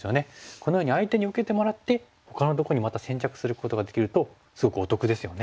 このように相手に受けてもらってほかのところにまた先着することができるとすごくお得ですよね。